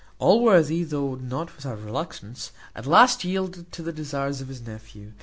Allworthy, though not without reluctance, at last yielded to the desires of his nephew.